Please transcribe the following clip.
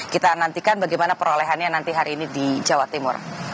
kita nantikan bagaimana perolehannya nanti hari ini di jawa timur